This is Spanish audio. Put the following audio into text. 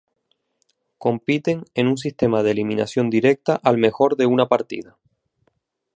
Compiten en un sistema de eliminación directa al mejor de una partida.